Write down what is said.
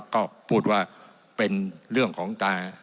ก็พูดว่าเป็นเรื่องของตา